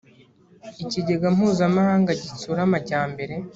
ikigega mpuzamahanga gitsura amajyambere